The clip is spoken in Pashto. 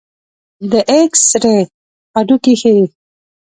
د ایکس رې هډوکي ښيي.